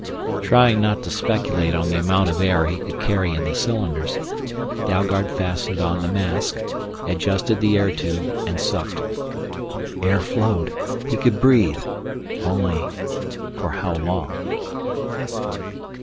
Trying not to speculate on the amount of air he could carry in the cylinders, Dalgard fastened on the mask, adjusted the air tube, and sucked. Air flowed he could breathe! Only for how long?